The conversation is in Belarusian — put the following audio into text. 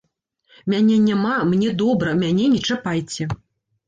Мяне няма, мне добра, мяне не чапайце.